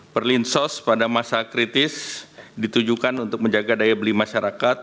perlinsos pada masa kritis ditujukan untuk menjaga daya beli masyarakat